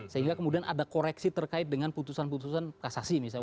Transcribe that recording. sehingga kemudian ada koreksi terkait dengan putusan putusan kasasi misalnya